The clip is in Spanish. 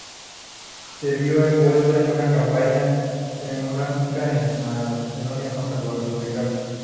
Se vio envuelto en una campaña monárquica en Macedonia contra los republicanos.